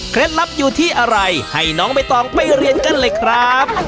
ลับอยู่ที่อะไรให้น้องใบตองไปเรียนกันเลยครับ